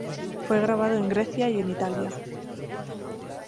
Fue grabado en Grecia y en Italia.